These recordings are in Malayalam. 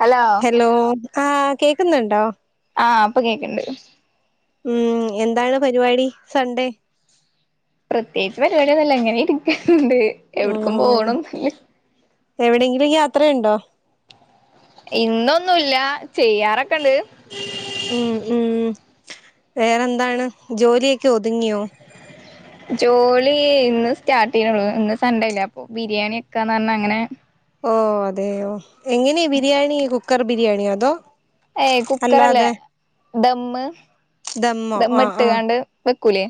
ഹലോ ഹലോ ആഹ് കേക്കുന്നുണ്ടോ ആഹ് അപ്പ കേക്ക്ണ്ട് ഉം എന്താണ് പരിപാടി സൺഡേ പ്രത്യേകിച്ച് പരിപാടിയൊന്നില്ല ഇങ്ങനെ ഇരിക്ക്ണുണ്ട് എവിട്ക്കും പോണൊന്നില്ല എവിടെങ്കിലും യാത്രയുണ്ടോ ഇന്നൊന്നുംല്ല ചെയ്യാറൊക്കെണ്ട് ഉംഹ് ഉംഹ് വേറെന്താണ് ജോലിയക്കെ ഒതുങ്ങിയോ ജോലി ഇന്ന് സ്റ്റാർട്ട് ചെയ്തെ ഉള്ളു ഇന്ന് സൺഡേല്ലേ അപ്പൊ ബിരിയാണി എക്കാന്ന് പറഞ്ഞ് അങ്ങനെ ഓ അതെയോ എങ്ങനെ ബിരിയാണി കുക്കർ ബിരിയാണി അതോ ഏയ് കുക്കറല്ലേ അല്ലാതെ ദമ്മ് ദമ്മോ ദമ്മ് ആഹ് ആഹ് ഇട്ട്കാണ്ട് വെക്കൂല്ലേ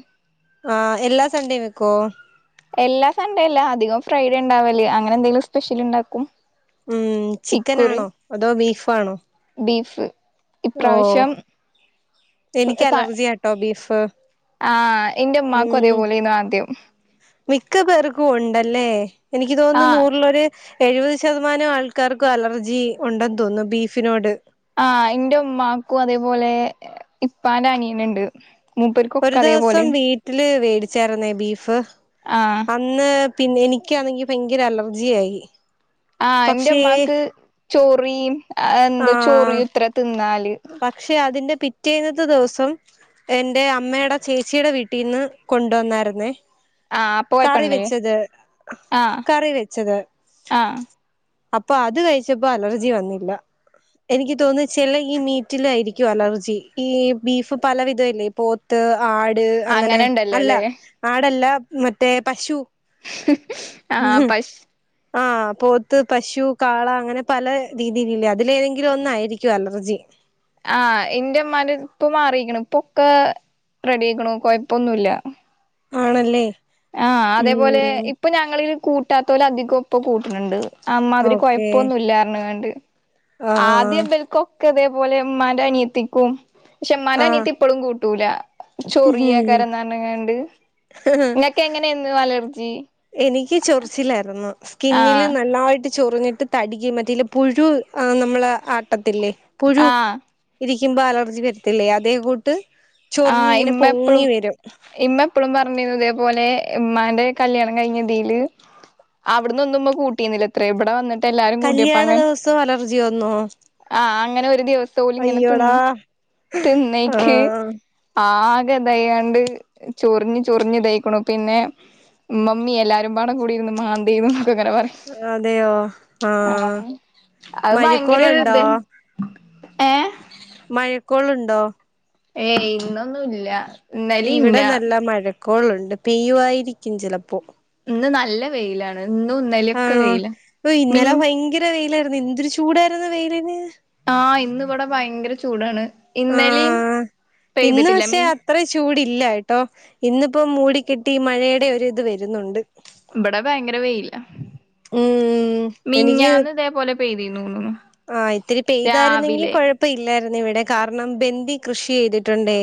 ആഹ് എല്ലാ സൺണ്ടേം വെക്കുവോ എല്ലാ സൺ‌ഡേ അല്ല അധികം ഫ്രൈഡേ ഉണ്ടാവല് അങ്ങനെ എന്തെങ്കിലും സ്പെഷ്യൽ ഉണ്ടാക്കും ഉം ചിക്കൻ ആണോ അതോ ബീഫ് ആണോ ബീഫ് ഇപ്രാവശ്യം എനിക്ക് അലർജിയാട്ടോ ബീഫ് ആഹ് എന്റെ ഉമ്മാക്കും ഉം അതേപോലെന്നു ആദ്യം [unintelligible] മിക്ക പേർക്കും ഉണ്ടല്ലേ എനിക്ക് തോന്നുന്നു ആഹ് നൂറിലൊരു എഴുപത് ശതമാനം ആൾക്കാർക്കും അലർജി ഉണ്ടെന്ന് തോന്നുന്നു ബീഫിനോട് ആഹ് എന്റെ ഉമ്മാക്കും അതേപോലെ ഇപ്പാന്റെ അനിയന് ഇണ്ട് ഒരു ദിവസം വീട്ടില് വേടിച്ചാരുന്നേ ബീഫ് അപ് ആഹ് അന്ന് പിന്നെ എനിക്കാണെങ്കി ഭയങ്കര അലർജി ആയി ആഹ് എന്റെ ഉമ്മാക്ക് ചോറിയും എന്ത് ചോറിയും ഇത്ര തിന്നാല് ക്ഷെ അതിന്റെ പിറ്റേന്നത്തെ ദിവസം എന്റെ അമ്മേടെ ചേച്ചിടെ വീട്ടിന്ന് കൊണ്ട് വന്നാരുന്നേ ആഹ് അപ്പൊ കറി കൊഴപ്പണ്ടേ വെച്ചത് ആഹ് കറി വെച്ചത് ആഹ് അപ്പോ അത് കഴിച്ചപ്പോ അലർജി വന്നില്ല എനിക്ക് തോന്നുന്നു ചെല ഈ മി റ്റിലായിരിക്കും അലർജി ഇ ബീഫ് പലവിധ ഇല്ലേ പ്പോ ത്ത് ആട് അങ്ങനെ അല്ല ആടല്ല മറ്റേ പശു ആഹ് പശ് ആഹ് പോത്ത് പശു കാള അങ്ങനെ പല രീതിലില്ലേ അതിലേതെങ്കിലും ഒന്നായിരിക്കും അലർജി ആഹ് എന്റെഉമ്മാന്റത് ഇപ്പൊ മാറീക്ക്ണു ഇപ്പൊഒക്ക റെഡി ആയ്ക്കുണു കൊഴപ്പൊന്നുല്ല ആണല്ലേ ആഹ് അതേപോലെ ഉം ഇപ്പൊ ഞങ്ങള് കൂട്ടാത്തോല് അധികോം ഇപ്പ കൂട്ടണണ്ട് അമ്മാതിരി ഓക്കെ കൊഴപ്പൊന്നു ഇല്ലാറഞ്ഞ് കാണ്ട് ആ ആദ്യ ഇബൽകൊ ക്ക് അതേപോലെ ഉമ്മാന്റനിയത്തിക്കും പക്ഷെ അമ്മാന്റനിയത്തി ഇപ്പളും കൂട്ടൂല ചൊറിയക്കാരനരഞ്ഞുകാണ്ട് ആ നിങ്ങക്ക് എങ്ങനെയാരുന്നു അലർജി എനിക്ക് ചൊറിച്ചിലാരുന്നു സ്കിന്നില് ആഹ് നന്നാ യിട്ട് ചൊറിഞ്ഞിട്ട് തടിക്കും മറ്റേ ഇല്ല പുഴു ആഹ് നമ്മളെ ആട്ടത്തില്ലേ പുഴു ആഹ് ഇരിക്കുമ്പോ അലർജി വരത്തില്ലേ അതേ കൂട്ട് ചൊറിഞ്ഞ് ഇങ്ങനെ പൊങ്ങി വെരും ഇപ്പഴും പറഞ്ഞി ഇതേ പോലെ ഉമ്മാന്റെ കല്യാണം കഴിഞ്ഞ് ഇതില് അവിടന്ന് ഒന്നും ഇമ്മ കൂട്ടി ന്നീലത്രേ ഇവിടെ വന്ന് കല്ല്യാണ ദിവസം അലർജി വന്നോ ആഹ അങ്ങനെ ഒരു ദിവസം ഓല് ഇങ്ങനെ അയ്യോടാ തിന്ന് തിന്നേക്ക് ആഹ് ആകെ ഇതായോണ്ട് ചൊറിഞ്ഞ് ചൊറിഞ്ഞ് ദെയ്ക്കണു പിന്നെ ഇ മമ്മി എല്ലാരും പാടാ കൂടി ഇരുന്ന് മാന്തി നോക്ക അങ്ങനെ പറ അതെയോ ആഹ ആഹ് അത് ഭയങ്കര ഒരു മഴക്കോളുണ്ടോ ഇത് ഏ മഴക്കോൾ ഉണ്ടോ ഏയ് ഇന്ന് ഒന്നും ഇല്ല ഇവിടെ നല്ല മഴക്കോള് ഉണ്ട് പെയ്യും മായിരിക്കും ചെലപ്പോ ഇന്ന് നല്ല വെയിലാ ഇ ന്നും ഇന്നേൽ ഒക്കെ ആണോ ഇന്നലെ ഭയങ്കര വെയില് ആയിരുന്നു എന്ത്‌ ഒരു ചൂടായിരുന്നു വെയിലിന് അ ഇന്ന് ഇവിടെ ഭയങ്കര ചൂടാണ് ഇന്നലെയും അ ഇന്ന് പക്ഷേ അ അത്ര ചൂട് ഇല്ലട്ടോ ഇന്ന് ഇപ്പം മൂടിക്കെട്ടി മഴയടെ ഒരു ഇത് വെരുന്ന് ഒണ്ട് ഇവിടെ ഭയങ്കര വെയിലാ ഉം മിഞ്ഞാന്ന് ഇതേപോലെ പെയ്തീന്നന്നുന്നു ആ ഇത്തിരി പെയ്താ ആയിരുന്നെങ്കി കൊഴപ്പ ഇല്ലായിരുന്നു ഇവിടെ കാരണം ബന്ദി കൃഷി ചെയ്തിട്ട് ഒണ്ടേ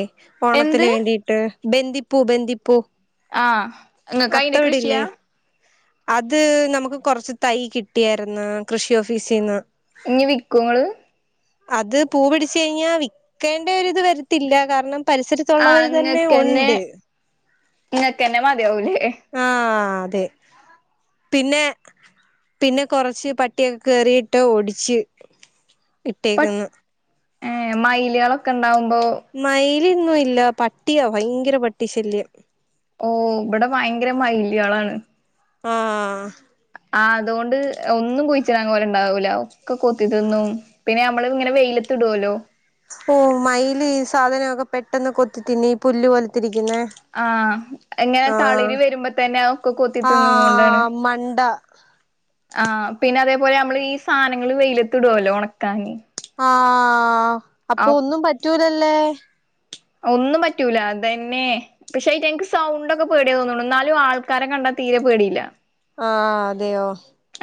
എന്ത് ഓണത്തിന് വേണ്ടിട്ട് ബന്ദിപ്പൂ ബന്ദിപ്പൂ ആഹ് ഇങ്ങക്ക് അയിന്റെ അത്തം കൃഷിയാ ഇടില്ലേ അത് നമുക്ക് കൊറച്ച് തൈ കിട്ടിയായിരുന്നു കൃഷി ഓഫീസിന്ന് ഇനി വിക്കോ ഇങ്ങള് അത് പൂ പിടിച്ച് കഴിഞ്ഞാൽ വിൽക്കേണ്ട ഒരു ഇത് വെരത്തില്ല കാരണം പരിസരത്ത് ആഹ് ഒള്ളവര് തന്നെ ഒണ്ട് നിങ്ങക്ക് എന്നെ മതിയാവുലേ ആഹ അതെ പിന്നെ പിന്നെ കൊറച്ച് പട്ടിക്ക് കേറിയിട്ട് ഒടിച്ച് ഇട്ടേക്കന്ന് ഏ മയിലുകള് ഒക്കെ എണ്ടാവുമ്പോ മയില് എങ്ങും ഇല്ല പട്ടിയാ ഭയങ്കര പട്ടി ശല്യം ഓ ഇവിടെ ഭയങ്കര മയിലികള് ആണ് ആഹ ആ അത് കൊണ്ട് ഒന്നും കുയിച്ചിടാൻ ഓല് ഒണ്ടാവൂല ഒക്കെ കൊത്തി തിന്ന് പിന്നെ ഞമ്മള് ഇങ്ങനെ വെയിലത്ത് ഇടുവല്ലോ ഓ മയില് ഈ സാധനം ഒക്കെ പെട്ടെന്ന് കൊത്തി തിന്നും ഈ പുല്ല് പോലെ തിരിക്കുന്നേ ആഹ എങ്ങനെ തളിര് വെരുമ്പോ തന്നെ ഒക്കെ കൊത്തി തിന്നും കൊണ്ടാണ് ആഹ് മണ്ട ആ പിന്നെ അതേപോലെ ഞമ്മള് ഈ സാധനങ്ങള് വെയിലത്ത് ഇടുവല്ലോ ഒണക്കാനീ ആ അപ്പൊ ഒന്നും പറ്റൂലല്ലേ ഒന്നും പറ്റൂല അതന്നെ പക്ഷെ ഇതെന്ക്ക് സൗണ്ടൊക്കെ പേടിയാ തോന്നണു എന്നാലും ആൾക്കാരെ കണ്ടാ തീരെ പേടിയില്ല ആഹ് അതെയോ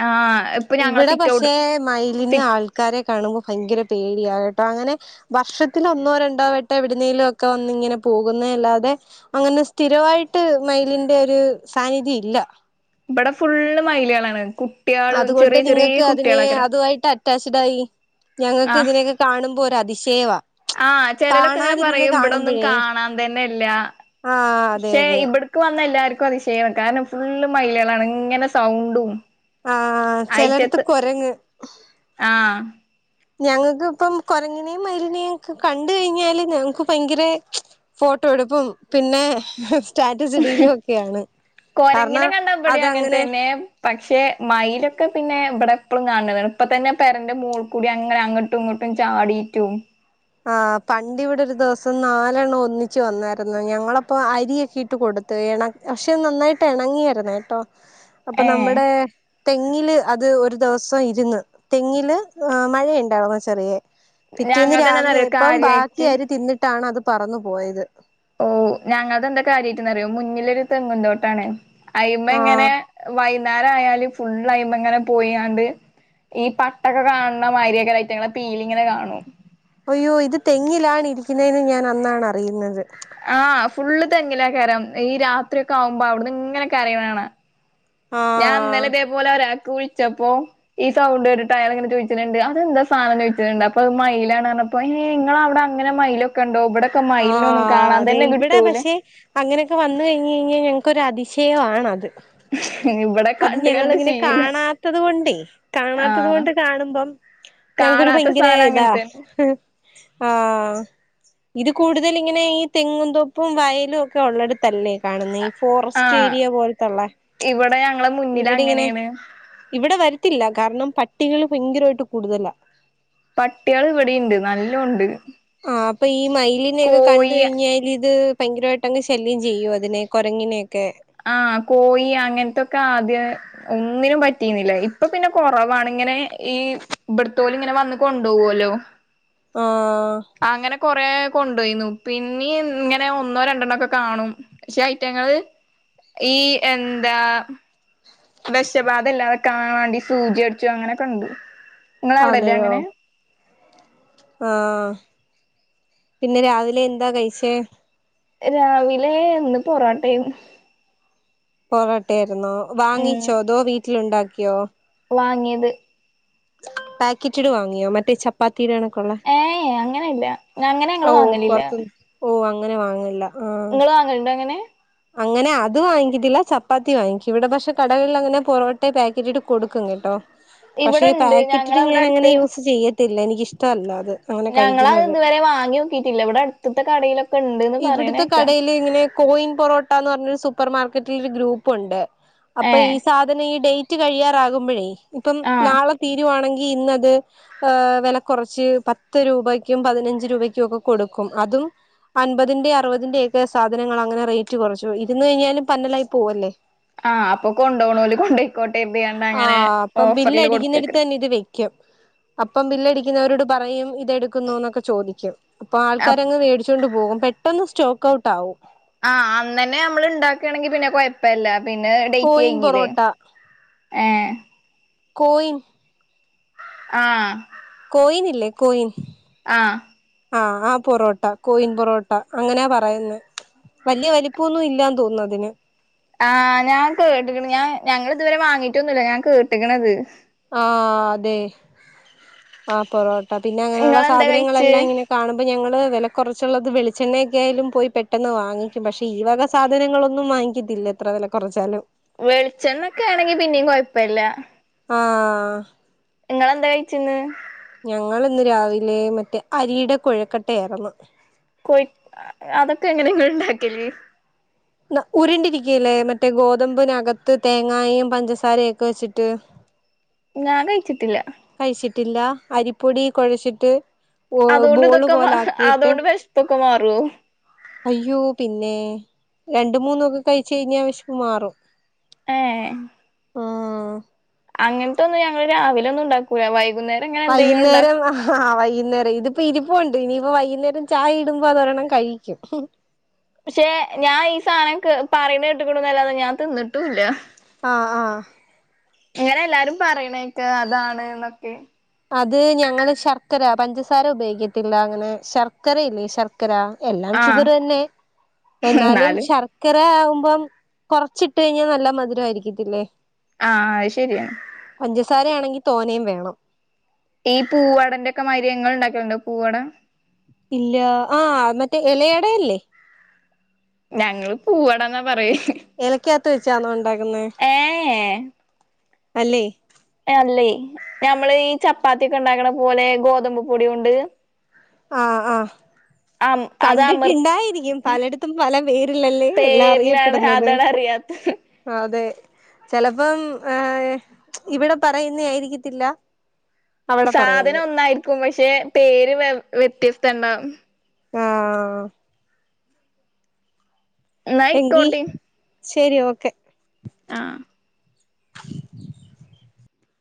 ആഹ് ഇപ്പൊ ഞങ്ങളെ ഇവിടെ സിറ്റൗട്ട് പക്ഷെ മൈ സി ലിന് ആൾക്കാരെ കാണുമ്പൊ ഭയങ്കര പേടിയ കേട്ടോ അങ്ങനെ വർഷത്തിലൊന്നോ രണ്ടോ വെട്ടം എവിടുന്നേലുംക്കെ വന്നിങ്ങനെ പോകുന്നെയല്ലാതെ അങ്ങനെ സ്ഥിരവായിട്ട് മയിലിന്റെ ഒരു സാന്നിധ്യം ഇല്ല ഇവിടെ ഫുള്ള് മയില്കളാണ് കു അത് കൊണ്ട് നിങ്ങക്കതിനേ അതുവായിട്ട ട്ടാസിടായി ഞങ്ങക്ക് ആഹ് ഇതിനെയൊക്കെ കാണുമ്പോ ഒരതിശയവാ ആഹ് ചെലോലക്ക്ങ്ങനെ പറയും ഇവ്ടൊന്നും കാണാൻ തന്നെല്ല്യ ആഹ് അതെ പക്ഷെ അതെ ഇബ്ട് ക്ക് വന്ന എല്ലാര്ക്കു അതിശയവാ കാരണം ഫുള്ള് മയില്കളാണ് ഇങ്ങനെ സൗണ്ടും ആഹ് ചെലടത്ത് അയിറ്റത്ത് കൊരങ്ങ് ആഹ് ഞങ്ങക്ക്പ്പം കൊരങ്ങ്നേം മയിലിനേംക്കെ കണ്ട് കഴിഞ്ഞാല് ഞങ്ങക്ക് ഭയ്ങ്കരേ ഫോട്ടോ എടുപ്പും പിന്നെ സ്റ്റാറ്റസിടീലും ഒക്കെയാണ് കൊരങ്ങിനെ കാരണം കണ്ടാ ഇബടിം അങ്ങനെ അതങ്ങനെ തന്നെ പക്ഷെ മയിലൊക്കെ പിന്നെ ഇബടെ എപ്പളും കാൺതാണ് ഇപ്പ തന്നെ പെരേന്റെ മോൾ കൂടി അങ്ങനെ അങ്ങട്ട് ട്ടും ഇങ്ങട്ടും ചാടീറ്റും ആഹ് പണ്ട് ഇവടൊരു ദിവസം നാലെണ്ണം ഒന്നിച്ച് വന്നാര്ന്നു ഞങ്ങളപ്പൊ അരിയക്കിട്ട് കൊടുത്ത് എണക് പക്ഷെ അത് നന്നായിട്ടെണങ്ങിയാര്ന്ന് കേട്ടോ അപ്പൊ ഏ നമ്മടേ തെങ്ങില് അത് ഒരു ദിവസം ഇര്ന്ന് തെങ്ങില് ഏഹ് മഴയ്ണ്ടാവും ചെറിയേ ഞങ്ങൾതെന്താന്നറിയോ കാര്യായ്റ്റ് തിന്നിട്ടാണത് പറന്നു പോയത് ഓഹ് ഞങ്ങൾതെന്താ കാര്യയ്റ്റ്ന്ന്റിയോ മുന്നിലൊരു തെങ്ങുന്തോട്ടാണ് അയിമ്മങ്ങനെ ആഹ് വൈന്നാരായാല് ഫുൾ അയിമ്മേങ്ങനെ പോയിയാണ്ട് ഈ പട്ടക്കെ കാണുന്ന മാതിരിക്കെ ഐറ്റകളെ പീലിങ്ങനെ കാണും അയ്യോ ഇത് തെങ്ങിലാണ് ഇരിക്ക്ന്നേന്ന് ഞാൻ അന്നാണറിയ്ന്നത് ആഹ് ഫുള്ള് തെങ്ങിലെകാരം ഈ രാത്രി ഒക്കെ ആവുമ്പോ ഔട്ന്ന് ഇങ്ങനെ കരയണാണാം ഞാൻ ആഹ് ഇന്നലെ ഇതെപോലെ ഒരാക്ക് വിളിച്ചപ്പോ ഈ സൗണ്ട് കേട്ട്ട്ട് അയാള്ങ്ങനെ ചോയ്ച്ച്ണുണ്ട് അതെന്താ സാനം ചോയ്ച്ച്ണുണ്ട് അപ്പൊ അത് മയിലാണ്ന്ന അപ്പയിന് ങ്ങളവ്ടെ അങ്ങനെ മയിലക്കെണ്ടാവും ബടൊക്കെ മയിൽനൊന്നും കാണാൻ തന്നെ കിട്ടൂല്ല അങ്ങനൊക്കെ വന്ന് കയ്ഞ്ഞഴിഞ്ഞാ ഞങ്ങക്കൊരു അതിശയവാണത് ഇവിടെ അത് കണ്ട് കണ്ട് ഞങ്ങള്ങ്ങനെ ശീലം കാണാത്തത് കൊണ്ടേയ് കാണാത്തത് ആഹ് കൊണ്ട് കാണുമ്പം ഞങ്ങ്ക്കൊരു കാണാത്ത ഭയ്ങ്കരേ സാധനം ഇതാ അങ്ങനത്തെ ആഹ് ഇത് കൂടുതല്ങ്ങനെ ഈ തെങ്ങുംതോപ്പും വയലും ഒക്കെ ഒള്ളടത്തല്ലേ കാണ്ന്നെ ആഹ് ഫോറസ്റ്റേരിയ പോലത്ത്ള്ളേ ഇവിടെ ഞങ്ങളെ മുന്നിൽ ഇവിടിങ്ങനെ അങ്ങനെയാണ് ഇവിടെ വരത്തില്ല കാരണം പട്ടികള് ഭയ്ങ്കരായിട്ട് കൂടുതലാ പട്ട്യള് ഇവിടേണ്ട് നല്ലോണ്ട് ആഹ് അപ്പൊ ഈ മയിലിനെക്കെ കണ്ട് കോഴി കഴിഞ്ഞാലിത് ഭയ്ങ്കരായിട്ടങ്ങ് ശല്യം ചെയ്യും അതിനെ കൊരങ്ങിനെക്കെ ആഹ് കോയി അങ്ങൻത്തൊക്കെ ആദ്യേ ഒന്നിനും പറ്റീന്നില്ല ഇപ്പൊ പിന്നെ കൊറവാണിങ്ങനെ ഈ ഇബട്ത്തോല് ങ്ങനെ വന്ന് കൊണ്ടോവ്വ്ല്ലോ ആഹ് അങ്ങനെ കൊറേ കൊണ്ടോയ്ന്നു പിന്നിം ഇങ്ങനെ ഒന്നോ രണ്ടെണ്ണോക്കെ കാണും ക്ഷെ ഐറ്റങ്ങള് ഈ എന്താ വെഷബാധല്ലാതാക്കാൻ വാണ്ടി സൂചി അടിച്ചു അങ്ങനെയൊക്കെണ്ട് ങ്ങളവ്ടല്ലേ അതെയോ അങ്ങനെ ആഹ് പിന്നെ രാവിലെ എന്താ കഴിച്ചേ രാവിലെ ഇന്ന് പൊറാട്ടെന്നു പൊറോട്ടെര്ന്നോ ഉം വാങ്ങിച്ചോ അതോ വീട്ടിലുണ്ടാക്കിയോ വാങ്ങിയത് പാക്കറ്റ്ഡ് വാങ്ങിയോ മറ്റേ ചപ്പാത്തീടെ കണക്കുള്ളേ ഏഹ് യെ അങ്ങനെ അല്ല അങ്ങനെ ഞങ്ങൾ വാങ്ങലില്ല പൊറത്തുന്ന് ഓഹ് അങ്ങനെ വാങ്ങേല്ല ഇങ്ങള് വാങ്ങല്ണ്ടോ അങ്ങനെ അങ്ങനെ അത് വാങ്ങിക്കത്തില്ല ചപ്പാത്തി വാങ്ങിക്കും ഇവടെ പഷെ കടകളിൽ അങ്ങനെ പൊറോട്ടെ പാക്കറ്റിട്ട് കൊടുക്കും കേട്ടോ പഷെ ഇവിടെണ്ട് പാക്കറ്റ്ഡ് ഞങ്ങളവിടെ ഞാൻ അങ്ങനെ അടുത്ത് യൂസ് ചെയ്യത്തില്ല എനിക്ക് ഇഷ്ട്ടവല്ലാ അത് അങ്ങനെ ഞങ്ങളത് കഴിക്കുന്നത് ഇതുവരെ വാങ്ങി നോക്കിട്ടില്ല ഇവിടെ അടുത്ത്ത്തെ കടയിലൊ ഇവിടുത്തെ കടേല് ഇങ്ങനെ കോയിൻ പൊറോട്ടാന്ന് പറ്ഞ്ഞൊരു സൂപ്പർമാർക്കറ്റിൽ ഒരു ഗ്രൂപ്പുണ്ട് ഏ അപ്പം ഈ സാധനം ഈ ഡൈറ്റ് കഴിയാറാകുമ്പഴേ ഇപ്പം ആഹ് നാളെ തീരുവാണെങ്കിൽ ഇന്നത് വില കുറച്ച് പത്ത് രൂപക്കും പതിനഞ്ച് രൂപയ്ക്കും ഒക്കെ കൊടുക്കും അതും അൻപതിന്റെ അറുപതിന്റെ ഒക്കെ സാധനങ്ങൾ അങ്ങനെ റേറ്റ് കുറച്ചു ഇരുന്ന് കഴിഞ്ഞാലും പന്നലായി പോവല്ലേ ആഹ് അപ്പൊ കൊണ്ടോണോല് കൊണ്ടോയിക്കോട്ടെ കര്തി കാണ്ട് അങ്ങനെ ആഹ് അപ്പം ബില്ല് ഓഫറ്ല് കൊടുക്കെ അടിക്കുന്നിടത്ത് ക്കാരം [unintelligible] അപ്പം ബില്ലടിക്കുന്നവരോട് പറയും ഇതെടു ക്കുന്നോന്നൊക്കെ ചോദിക്കും അപ്പൊ അപ് ആൾക്കാരങ്ങ് മേടിച്ചോണ്ട് പോകും പെട്ടന്ന് സ്റ്റോക്ക് ഔട്ട് ആകും ആഹ് അന്നന്നെ നമ്മള് ഇണ്ടാക്കയാണെങ്കി പിന്നെ കുഴപ്പല്ല പിന്നെ ഡേറ്റ് കോയിൻ കയിഞ്ഞ് ല്ലേ പൊറോട്ട ഏഹ് കോയിൻ ആഹ് കോയിനില്ലേ കോയിൻ ആഹ് ആഹ് ആ പൊറോട്ട കോയിൻ പൊറോട്ട അങ്ങനാ പറയുന്നേ വല്ല്യ വലിപ്പൊന്നും ഇല്ലാന്ന് തോന്നുന്നു അതിന് ആഹ് ഞാൻ കേട്ട്ക്ക്ണ് ഞാൻ ഞങ്ങള് ഇതുവരെ വാങ്ങിട്ടൊന്നുല്ല ഞാൻ കേട്ട്ക്ക്ണത് ആഹ് അതെ ആ പൊറോട്ട പിന്നെ അങ്ങനെയുള്ള ഇങ്ങളെന്താ കഴിച്ച് സാധനങ്ങളെല്ലാം ഇങ്ങനെ കാണുമ്പം ഞങ്ങള് വില കുറച്ചുള്ളത് വെളിച്ചെണ്ണയൊക്കൊയാലും പോയി പെട്ടെന്ന് വാങ്ങിക്കും പക്ഷെ ഈ വക സാധനങ്ങളൊന്നും വാങ്ങിക്കത്തില്ല എത്ര വില കുറച്ചാലും വെളിച്ചെണ്ണ ഒക്കെ ആണെങ്കി പിന്നെയും കുയപ്പല്ല ആഹ് ഇങ്ങളെന്താ കഴിച്ച് ഇന്ന് ഞങ്ങള് ഇന്ന് രാവിലെ മറ്റേ അരിയുടെ കുഴക്കട്ട യാര്ന്നു കുഴ അതൊക്കെ എങ്ങനെ ഇങ്ങള് ഇണ്ടാക്കല് ങ്ങ ഉരുണ്ടിരിക്കല്ലേ മറ്റേ ഗോതമ്പ് നകത്ത് തേങ്ങായും പഞ്ചസാരയും ഒക്കെ വെച്ചിട്ട് ഞാൻ കഴിച്ചിട്ടില്ല കഴിച്ചിട്ടില്ല അരിപ്പൊടി കുഴച്ചിട്ട് അതുകൊണ്ട് ബോള് ഇതൊക്കെ മാ പോലെ ആക്കിയിട്ട് അതുകൊണ്ട് വെശ്പ്പൊക്കെ മാറുവോ അയ്യോ പിന്നെ രണ്ട് മൂന്നൊക്കെ കഴിച്ച് കഴിഞ്ഞാ വെശപ്പ് മാറും ഏഹ് ആഹ് അങ്ങനത്തെ ഒന്നും ഞങ്ങള് രാവിലെ ഒന്നും ഉണ്ടാക്കൂല വൈകുന്നേ വൈകുന്നേരം ആഹ് വൈകുന്നേരം ഇത്പ്പം ഇരിപ്പുണ്ട് ഇനിയിപ്പോ വൈകുന്നേരം ചായ ഇടുമ്പോ അതൊരെണ്ണം കഴിക്കും പക്ഷെ ഞാൻ ഈ സാധനം കേ പറയുന്നേ കേട്ടുക്കുണ്ന്നല്ലാതെ ഞാൻ തിന്നിട്ടും ല്ല ആഹ് ആഹ് ഇങ്ങനെ എല്ലാരും പറയണേക്ക അതാണ് എന്നൊക്കെ അത് ഞങ്ങള് ശർക്കര പഞ്ചസാര ഉപയോഗിക്കത്തില്ല അങ്ങനെ ശർക്കരയില്ലേ ശർ ക്കര എല്ലാം ആഹ് ഷുഗർ തന്നെ എന്നാലും ശർ ക്കര ആകുമ്പോ കൊറച്ചിട്ട് കഴിഞ്ഞാൽ നല്ല മധുരം ആയിരിക്കത്തില്ലേ ആ അത് ശരിയാണ് പഞ്ചസാരയാണെങ്കിൽ തോനയും വേണം ഈ പൂവടന്റെ ഒക്കെ മായിരി ങ്ങൾ ഉണ്ടാക്കലുണ്ടോ പൂവട ഇല്ല ആഹ് മറ്റേ എല എടയല്ലേ? ഞങ്ങള് പൂവാടാന്നാ പറയ ഇലയ്ക്കകത്ത് വെച്ചാന്നോ ഉണ്ടാക്കുന്നേ? ഏഹ് അല്ലേ? അല്ലേ ഞമ്മള് ഈ ചപ്പാത്തിയൊക്കെ ഉണ്ടാക്കണ പോലെ ഗോതമ്പ് പൊടി കൊണ്ട് ആഹ് ആഹ് അം അത് കണ്ടിട്ടിണ്ടായിരിക്കും പലട്ത്തും പല പേരില്ലല്ലേ എല്ലാം അമർത്തേരിലാണ് അറിയപ്പെടുന്നത് അതാണ് അറിയാത്തത് ആഹ് അതെ ചെലപ്പം ഏഹ് ഇവിടെ പറയുന്ന ആയിരിക്കത്തില്ല അവിടെ സാധനം പറയുന്നെ ഒന്നായിരിക്കും പക്ഷെ പേര് വെ വ്യത്യസ്ത ഉണ്ടാവും ആഹ് ന്നാ എങ്കീ ആയിക്കോട്ടെ ശരി ഓക്കെ ആഹ്